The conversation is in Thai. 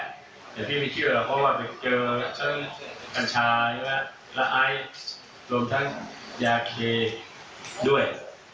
แต่พี่ไม่เชื่อเพราะว่าไปเจอทั้งกัญชาและไอซ์รวมทั้งยาเคด้วย